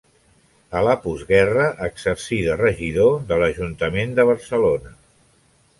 A la postguerra exercí de regidor de l'Ajuntament de Barcelona.